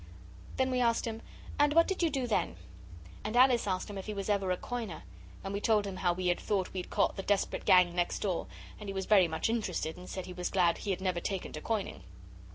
Then we asked him, 'And what did you do then?' And Alice asked if he was ever a coiner, and we told him how we had thought we'd caught the desperate gang next door, and he was very much interested and said he was glad he had never taken to coining.